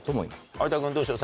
有田君どうでしょう？